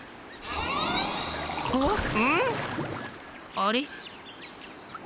あれ？